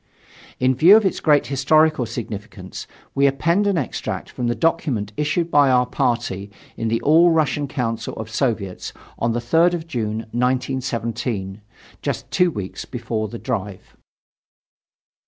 In view of its great historical significance, we append an extract from the document issued by our party in the All Russian Council of Soviets on the 3rd of June, 1917, just two weeks before the drive.